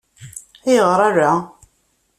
Ayɣer ala?